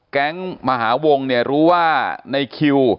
แก๊งมหาวงรู้ว่าในคิว